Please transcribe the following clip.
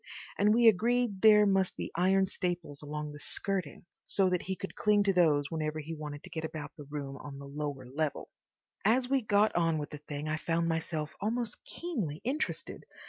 And we agreed there must be iron staples along the skirting, so that he could cling to those whenever he wanted to get about the room on the lower level. As we got on with the thing I found myself almost keenly interested.